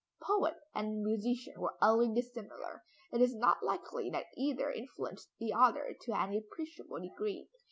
Poet and musician were utterly dissimilar; it is not likely that either influenced the other to any appreciable degree.